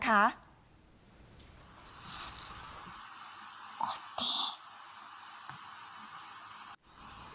กดดิ